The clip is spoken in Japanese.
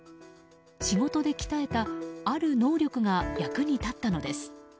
仕事で鍛えた、ある能力が役に立ったのです。